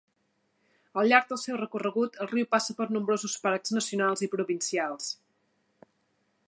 Al llarg del seu recorregut el riu passa per nombrosos parcs nacionals i provincials.